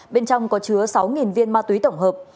bên trong có chứa sáu viên ma túy tổng hợp